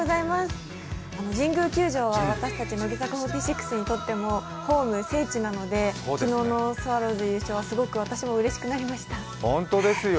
神宮球場は私たち乃木坂４６にとってもホーム、聖地なので昨日のスワローズ優勝は私もすごくうれしくなりました。